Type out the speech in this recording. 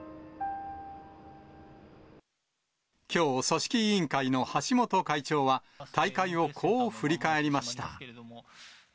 きょう、組織委員会の橋本会長は、大会をこう振り返りました。